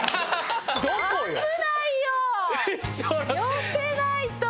寄せないと！